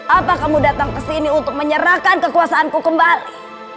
apa kamu datang kesini untuk menyerahkan kekuasaanku kembali